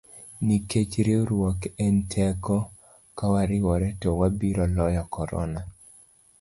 Nikech riwruok en teko, kawariwore to wabiro loyo korona.